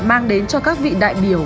mang đến cho các vị đại biểu